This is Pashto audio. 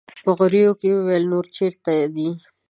په غريو کې يې وويل: نور چېرته دي؟